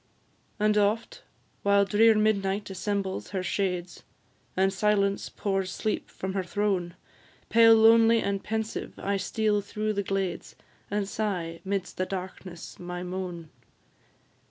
And oft, while drear Midnight assembles her shades, And Silence pours sleep from her throne, Pale, lonely, and pensive, I steal through the glades, And sigh, 'midst the darkness, my moan.